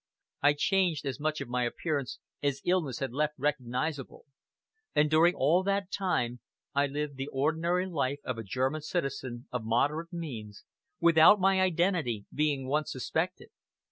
I changed as much of my appearance as illness had left recognizable; and during all that time I lived the ordinary life of a German citizen of moderate means, without my identity being once suspected.